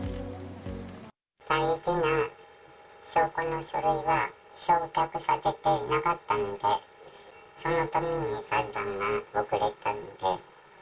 大事な証拠の書類が焼却されて、なかったんで、そのために裁判が遅れたんで。